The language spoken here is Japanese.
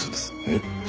えっ？